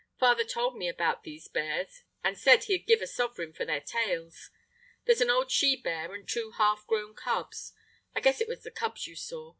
Father told me about these bears, and said he'd give a sovereign for their tails. There's an old she bear and two half grown cubs. I guess it was the cubs you saw.